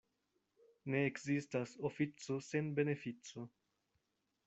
Ne ekzistas ofico sen benefico.